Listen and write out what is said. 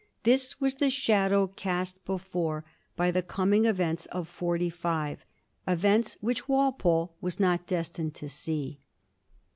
This was the shadow cast before by the coming events of "forty five" — events which Wal pole was not destined to see.